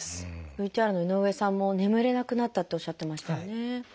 ＶＴＲの井上さんも「眠れなくなった」とおっしゃってましたよね。